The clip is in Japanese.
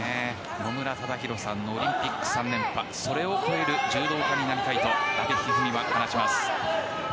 野村忠宏さんのオリンピック３連覇それを超える柔道家になりたいと阿部一二三は話します。